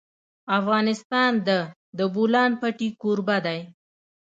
افغانستان د د بولان پټي کوربه دی.